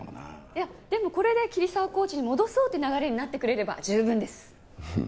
いやでもこれで桐沢コーチに戻そうって流れになってくれれば十分です。